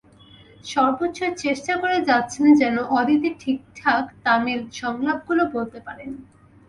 সর্বোচ্চ চেষ্টা করে যাচ্ছেন যেন অদিতি ঠিকঠাক তামিল সংলাপগুলো বলতে পারেন।